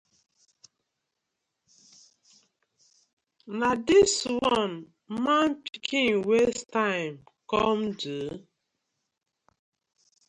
Na dis one man pikin waste time kom do?